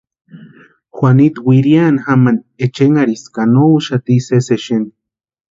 Juanitu wiriani jamani echenharhisti ka no úxati exeni sési.